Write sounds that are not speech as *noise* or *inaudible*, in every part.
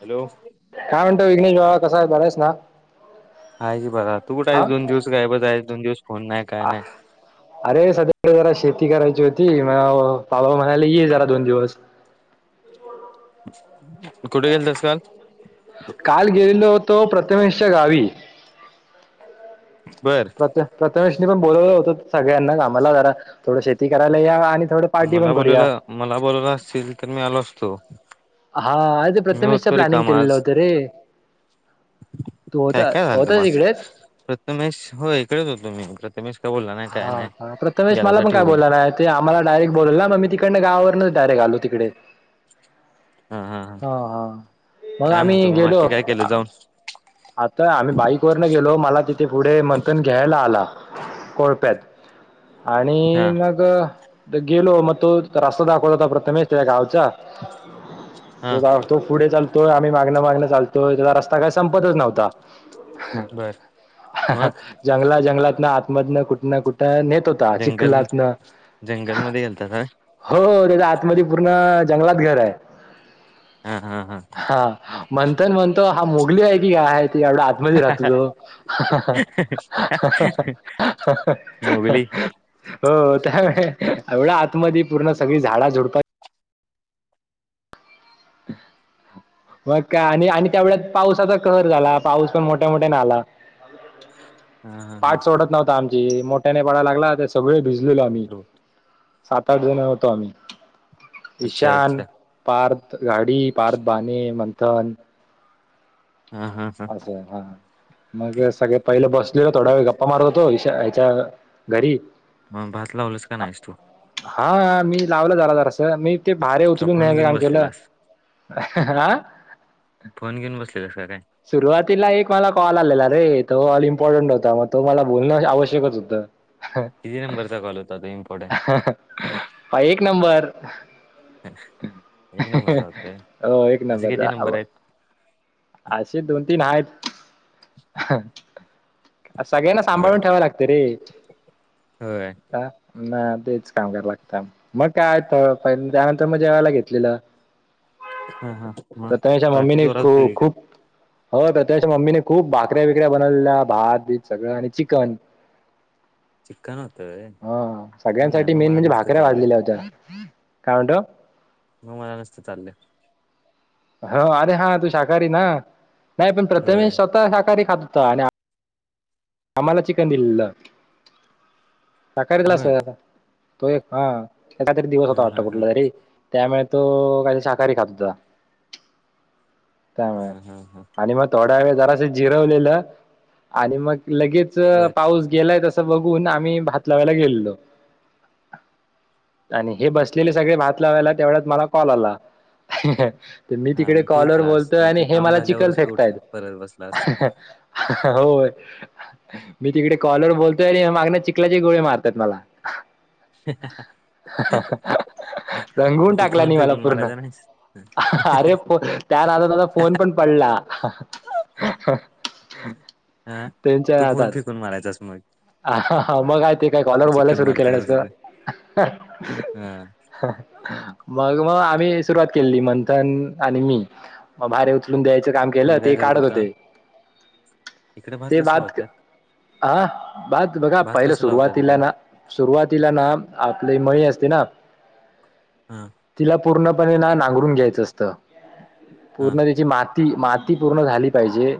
Hello काय म्हणतो विघ्नेश बाबा कसा आहे बरा आहेस ना आहे की बघा तू कुठे आहे हा दोन दिवस गायब आहेस दोन दिवस फोन नाही काय नाही अरे सध्या शेती करायची होती म बाबा म्हणायला ये जरा दोन दिवस कुठे गेल तस काल काल गेलेलो होतो प्रथमेशच्या गावी बर प्र प्रथमेशनी पण बोलवलं होत सगळ्यांना आम्हाला जरा थोडं शेती करायला या आणि थोडं पार्टी पण मला करूया बोोलला मला बोलावला असतील तर मी आलो असतो हा अर ते मी प्रथमेशच होतो प्लॅनिंग रिकामा केलेलं आज होतं रे तू काय होता काय झालंत होताच मग इकडेच प्रथमेश हो इकडेच होतो मी प्रथमेश काय बोलला नाही हा काय नाही प्रथमेश मला गेलासा पण काय ठेवून बोलला नाही ते आम्हाला डायरेक्ट बोल ना मग मी नाही नाही गावावरनच डायरेक्ट आलो तिकडे हा हा मग काय आम्ही म्हणतो मग गेलो. बाकी काय केलं जाऊन आता आम्ही बाईक वरन गेलो मला तिथे पुढे मंथन घ्यायला आला. कोळप्यात आणि हा मग गेलो मग तो रस्ता दाखवला होता प्रथमेश त्या गाव चा हा तो पुढे चालतोय आम्ही मागण मागण चालतोय त्याचा रस्ता काय संप तच नव्हता बर मग जंगला जंगलातन मधंन कुठ ना कुठं नेत नेत होता जंगल चिखलातन जंगलमध्ये गेलतात होय हो त्याच्या आतमध्ये पूर्ण जंगलात घर आहे हा हा हा मंथन म्हणतो हा मोगली आहे. एवढ्या आतमध्ये राहतो तो मोगली हो त्या एवढ्या आतमध्ये पूर्ण सगळी झाडा झुडपात मग का आणि आणि त्या व पाऊसाचा कहर झाला पाऊस पण मोठ्या मोठ्यान इ नाही आला हा हा हा पाठ सोडत नव्हता आ जे मोठ्याने पाडाया लागला ते सगळे भिजलेलो आम्ही सात आठ जण होतो आम्ही अच्छा ईशान अच्छा पार्थ गाडी पार्थ बाणे मंथन हा हा हा अस हा मग सगळे पहिले बसलेलो थोडा वेळ गप्पा मारत होतो ह्याच्या घरी हा भात लावलस का नाहीस तू हा मी लावलं जरा जरास मी ते भारे का उचलून फोन नेयाचं घेऊन काम केलं बसलेलास हा फोन घेऊन बसलेलास का काय? सुरुवातीला एक मला कॉल आलेला रे तो ऑल इम्पॉर्टंट होता मग तो मला बोलणं आवश्यकच होतं. किती नंबरचा कॉल होता तो इम्पॉर्टंट? एक नंबर एक नंबर चालतंय हो एक असे किती नंबर आहेत. अशे दोन तीन आहेत. सगळ्यांना बर सांभाळून ठेवाव लागत रे होय. का तेच काम कराव लागत मग काय तर त्यानंतर मग जेवायला घेतलेलं हा हा मग प्रथमेशच्या पार्टी मम्मीने जोराच खू काय खूप हो तर त्याच्या मम्मीने खूप भाकऱ्या बिकऱ्या बनविलेल्या भा तर बित सगळं आणि चिकन चिक्कन होतं व्हय. हा मग नाही सगळ्यांसाठी मग मेन मला म्हणजे नुसतं भाकऱ्या चाललंय. भाजलेल्या होत्या. काय म्हणतो मग मला नसत चालल हो अरे हा तू शाकाहारी ना नाही पण होय. प्रथेमश आता शाकाहारी खातो. आणि आम्हाला चिकन दिलेल शाकाहारी दिला होय. असत तो एक हा एखादा दिवस होता हा हा वाटत हा. कुठला तरी त्यामुळे तो काल शाकाहारी खात होता. हा त्यामुळे हा हा. आणि मग थोडा वेळ जरासं जिरवलेलं आणि मग लगेच बर पाऊस गेलाय तसं बघून आम्ही भात लावायला गेलेलो आणि हे बसलेले सगळे भात लावायला तेवढ्यात मला कॉल आला. मी हा तिकडे मग तू कॉलवर उठलास. बोलतोय मग आणि ते हे काम मला चिखल झाल्यावरच तू फेकतायेत उठल परत बसलास. हो मी तिकडे कॉलवर बोलतोय आणि हे मागन चिखलाचे गोळे मारतायेत मला *unintelligible* मग रंगून तू टाकला फोन आणि मला फेकून पूर्ण मारायचा नाहीस? अरे त्या नादात फोन पण पडला. ला हा तू फोन फेकून मारायचास मग हा मग आहे ते काय तू कॉलवर बोलायला चिक्कल सुरू केलं मारतायस तिथं. नसत हा. हा मग मग आम्ही सुरुवात केली मंथन आणि मी म भाार उचलून द्याय काम केलं तुम्ही ते काय करत काढत होता? होते इकडे ते कसला भात होता? हा बात बघा भात पहिलं कसा लावता सुरुवातीला तिकडे? ना सुरुवातीला ना आपली मळी असते हा तिला पूर्णपणे ना नांगरून घ्यायचं असत हा पूर्ण त्याची मात ती माती पूर्ण झाली पाहिजे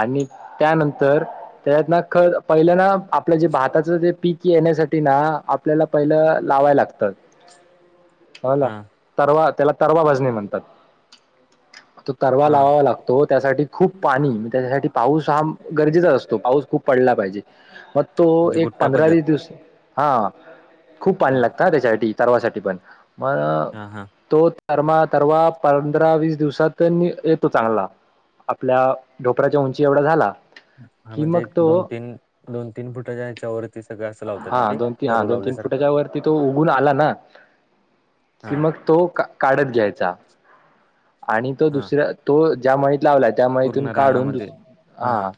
आणि त्यानंतर त्यात ना ख पहिलं ना आपलं जे भाताचं ते पीक येण्यासाठी ना आपल्याला पहिलं लावाय लागतं होला हा तरवा त्याला तरवा भजणे म्हणतात तो तरवा हा लावा लागतो त्यासाठी खूप पाणी त्याच्यासाठी पाऊस हा गरजेचा असतो पाऊस खूप पडला पाहिजे मग तो म्हणजे एक गुट्टा पंधरा पद्धत वीस दिवस हा खूप पाणी हम्म लागत त्याच्यासाठी सर्वासाठी पण मग हा हा तो तरमा तरवा पंधरा वीस दिवसात म येतो चांगला आपल्या ढोपराच्या उंची एवढा झाला हा कि म्हणजे मग एक तो दोन तीन दोन तीन फुटाच्या ह्याच्यावरती सगळं असं लावत ना हा ते दोन तीन हा तरू दोन तीन लावल्यासारखं फुटाच्या वरती तो उगून आला ना कि हा मग तो काढत घ्यायचा आणि तो हा दुसऱ्या तो ज्या मळीत लावला त्या मळीतून पूर्ण काढून दुस रानामध्ये हा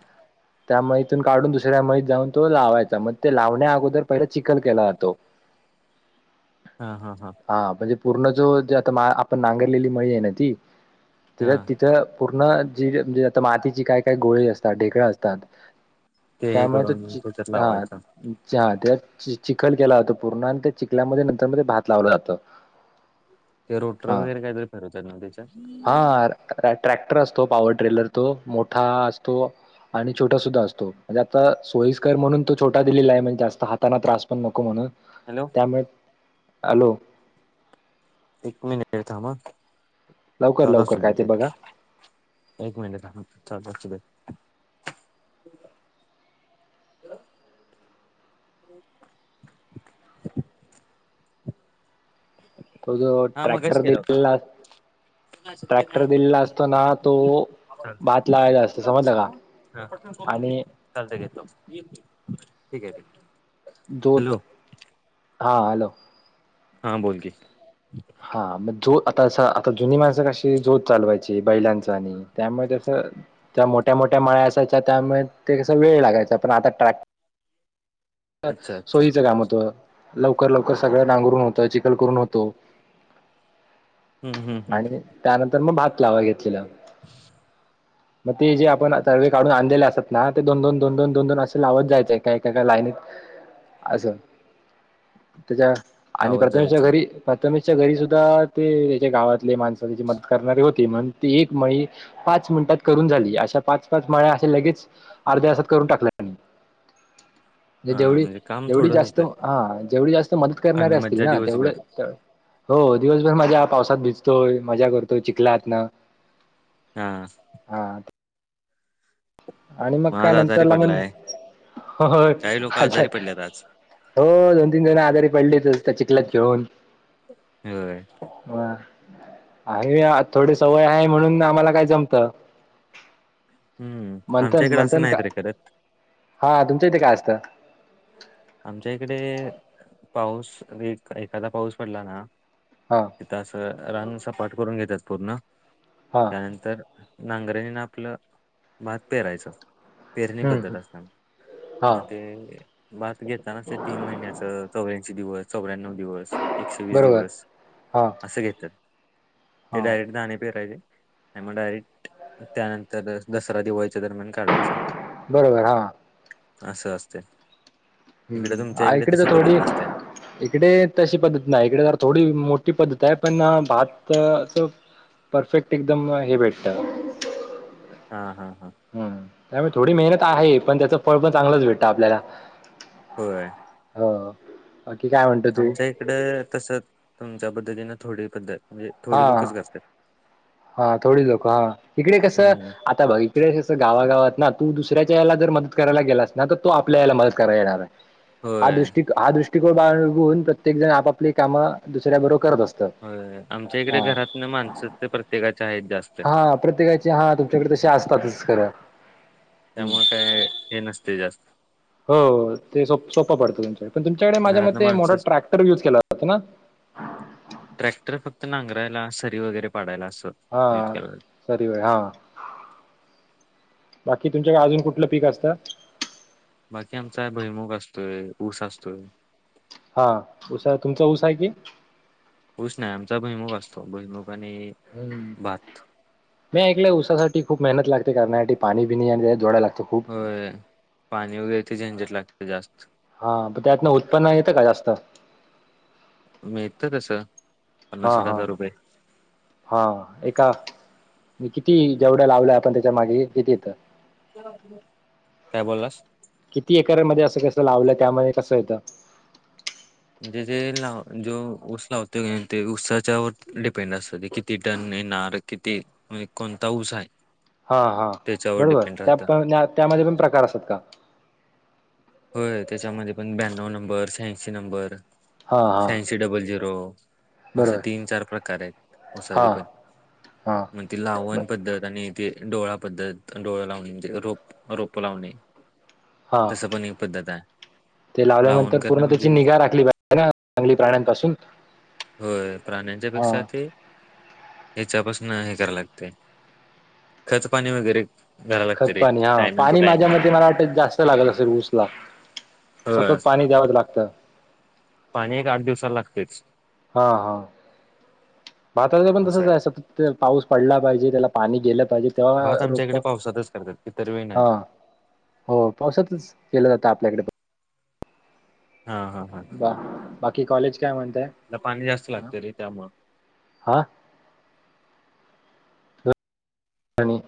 त्यामुळे इथून काढून दुसऱ्या मळीत जाऊन तो लावायचा मग ते लावण्या अगोदर पहिला चिखल केला जातो. हा हा हा. पूर्ण जो जे आता मा आपण नांगरलेली मळी आहे ना ती हा *unintelligible* तिथं पूर्ण जी म्हणजे आता मातीची काय काय गोले असतात ढेकळ असतात. ते हे त्यामुळे तो करून मग चि त्याच्यात हा लावायचं *unintelligible* त्यात चिखल केला जातं पूर्ण आणि त्या चिखल्यामध्ये नंतर म भात लावलं जातं. ते रोटर हा वगैरे काहीतरी फिरवतानी हा ट्रॅक्टर असतो पॉवर ट्रेलर तो. मोठा असतो आणि छोटा सुद्धा असतो म्हणजे आता सोई स्कर म्हणून सोईस्करअ म्हणून तो छोटा दिलेला आहे म्हणे जास्त हाताना त्रास पण नको म्हणून हॅलो त्यामुळे आलो एक मिनिट थांब लवकर चाल लवकर काय त ते बघा एक मिनट चाल अस त जो हा मगाशी ट्रॅक्टर केला होता. दिला ट्रॅक्टर दिलेला असतो ना तो चा भात लावायला तु असतो समजलं का आणि दिसलत घेतलं ठीक आहे जोत हॅलो हा हॅलो हा बोल की हा मग जो आता आता जुनी माणसं कशी जोत चालवायची बैलांच आणि त्यामुळे त्यास त्या मोठ मोठ्या मोठ्या मळ्या असायच्या त्यामुळे ते कस वेळ लागायचा पण आता ट्रॅक अच्छा अच्छा सोयचं काम होतं. लवकर लवकर सगळं नांगरून होतं चिखल करून होतो. हम्म हम्म हम्म आणि त्यानंतर म भात लावाय घेतलेल. मग ते जे आपण तर्वे काढून आणलेले असतात. ना ते दोन दोन दोन दोन दोन दोन असे लावत जायच एका एका लाईनीत आसं त्याच्या आणि गावात प्रतमेच्या जायचं घरी त मेशच्या घरी सुद्धा ते त्याच्या गावातले माणस त्याची मदत करणारे होते म्हण ते एक मळी पाच पाच मिनिटात करून झाली अशा पाच पाच माळ्या असे लगेच अर्ध्या तासात करून टाकल्या त्यानी. *inaudible* हा जेवढी म्हणजे काम जेवढी थोडंच जास्त असतंय हा जेवढी जास्त मदत करणारे आणि असतील मज्जा ना तेवढ दिवसभर त. हो दिवसभर माझ्या पावसात भिजतोय मजा करतोय चिकलातन. हां. आणि मग काय आज आजारी नंतरला म्हण पडलाय होय काही लोक अच्या आजारी पडल्यात आज हो दोन तीन जण आधारित पडलेत एकदा चिखलात घेऊन होय. आरे हा थोडे सवय आहे म्हणून आम्हाला काय जमत. हम्म आमच्या मंथन इकडे असं मंथन नाहीत का रे करत हा तुमच्या इथे काय असतं. आमच्या इकडे पाऊस एक एखादा पाऊस पडला ना हा तीत आस रांग सपाठ करून घेतात पूर्ण हा त्यानंतर नांगरेणीन आपलं भात पेरायचं. पेरणी हम्म पद्धत हम्म. असताना हा म ते भात घेेतानाच तीन महिन्याच कवे दिवस चौऱ्याण्णव दिवस एकशे वीस बरोबर दिवस हा आ सं घेत्यात. ते हा डायरेक्ट दाने पेरायचे. आणि मग डायरेक्ट त्यानंतर दसरा दिवाळीच्या दरम्यान काढायचे. बरोबर हा. आसं असस्ते. हम्म इकडे तर थोडी इकडे तशी पद्धत नाही इकडे तर थोडी मोठी पद्धत आहे पण भात परफेक्ट एकदम हे भेटत हा हा. हा हम्म त्यामुळे थोडी मेहनत आहे पण त्याचं फळ पण चांगलंच भेटत आपल्याला हो. हा. आमच्या इकडं तसं तुमच्या पद्धतीनं थोडी पद्धत म्हणजे थोडी हा लोकच गाततात हा थोडी लोक हा इकडे कसं हम्म आता बघ इकडे कस गावागावात ना तू दुसऱ्याच्या याला जर मदत कराय गेलास ना तर तो आपल्या याला मदत करायला येणार आहे. हा होय दृष्टी हा दृष्टकोन बाळगून प्रत्येक जण आपापली कामं दुसऱ्या बरो होय अना. च्या इकडे घरात न माणस प्रत्येकाचे आहेत जास्त. मच *unintelligible* करा त्यामुळे काय हे नसते जास्त. हो ते सो सोपं पडतं तुमचं. पण तुमच्याकडे माझ्या घरातन मते मोठा माणसंच ट्रॅक्टर युज केला जातो ना? पैला सरी वगैरे पाडायला आस हा सरी वगे हा. बाकी तुमच्याकडे अजून कुठलं पीक आसतं? बाकी आमचा भैमुख असतोय ऊस असतोय. हा उऊसाा तुमचा ऊसा आहे की. हुश नाही आमचा भैमुख असतो भैमुख आणि हम्म भात मी ऐकय उसासाठी खूप मेहनत लागते करण्यासाठी पाणी पि नाही आणि त्या ड्या लागते. होय पाणी वगैरे ते झंजत लागत जास्त. हा त्यातन उत्पन्न येतं का जास्त मीत तसं हा पन्नासाठ हा हजार रुपये हा एका मी किती जेवढं लावलं आपण त्याच्या मागे किती येतं. काय बोललास किती एकरमध्येध्ये असं कस. लावलं त्यामध्ये कसं येत. म्हणजे जे लाव जो ऊस लावतो ते ऊसाच्या व डिपेंड असत ते किती टन नार किती म्हणे कोणता ऊसा आहे. हा हा त्याच्यावर बरोबर डिपेंड त्या राहतं पण त्यामध्ये पण प्रकार असत का. नो नंबर शहांशी नंबर हा हा शहांशी डबल झिरो. असं बरोबर तीन चार प्रकार आहेत हा मसाले पण हा ती ब लावणं पद्धत आणि. ते डोळा पद्धतं डोळ लावणे म्हणे रोपं रोपं लावणे हा तसं पण पद्धताआहे. ते लावल्यानंतर पूर्ण त्याची निगा राखली पाहिजे ना चांगली प्राण्यांपासून. होय प्राण्यांच्या हा पेक्षा ते हच्यापासून हे कराव लागते खत पाणी वगैरे. लागते रे खतपाणी हा टायमिंग टू पाणी माझ्या टायमिंग म मला वाटत जास्त लागल असेल ऊसला ह सतत पाणी द्यावंच लागतं पाणी एक आठ दिवसाला लागत. हा हा. भातचं पण तसच आहे पाऊस पडला पाहिजे त्याला पाणी गेलं. पाणी तेव्हा भात रोप आमच्याकडे पावसातच करतात इतर वेळी हा नाही हो पावसातच केलं जातं आपल्याकडे पण हा हा हा बा बाकी कॉलेज. काय म्हणताय तिला पाणी जास्त लागते रे त्यामुळं हा. आणि.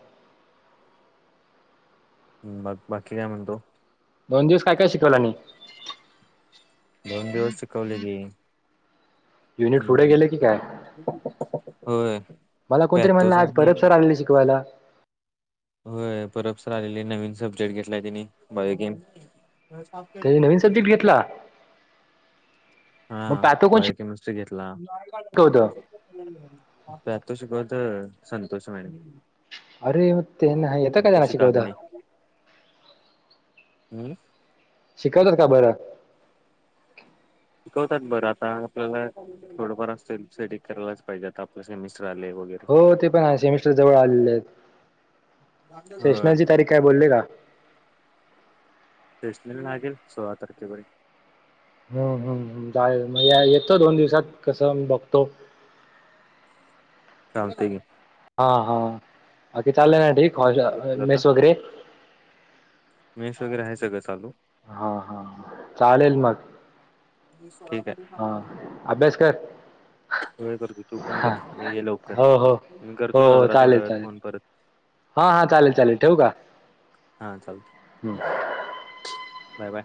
बाकी काय म्हणतो. दोन दिवस काय काय शिकवला नाही. दोन दिवस शिकवलं की. युनिट पुढे हम्म. गेले की काय. होय मला कोणतरी म्हणलं पॅतोच आज परब आणि सर आलेले शिकवायला. होय परपसर आलेली नवीन सब्जेक्ट घेतलाय तिने बायोगेम त्यांनी नवीन सब्जेक्ट घेतला हा मग पॅथो कोण बायो केमिस्ट्री घे. शिकवतं त्या त श ग *inaudible* तर संतोष आहे अरे ते येतं काय शिकवता. कागणे हम्म, शिकवतात का बरं. शिकवतात बरं आता आपल्याला थोडंफार असेल सेट करायलाच पाहिजे आता आपलं सेमिस्टर. आले वगैरे हो ते पण सेमिस्टर जवळ आलेले आहेत. होय सेशनाची तारीख काय बोलले का. शेषनाची लागेल सोळा तारखे पर्यंत. हम् हम्म म येतो दोन दिवसात कसं. बघतो. चालते घे हा हा बाकी चाललंय ना काय ठीक करतोस आता मेस वगैरे मेस वगैरे आहे सगळं चालू हा हा चालेल मग ठीक आहे. हा अभ्यास कर. हय करतो तु पण हा कर लवकर हो हो मी करतो जरा थोड्या वेळात फोन परत. हा हा चालेल चालेल ठेवू का? हा चालत हम्म. Bye bye